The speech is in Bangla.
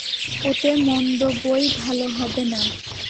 ওতে মন্দ বৈ ভাল হবে না।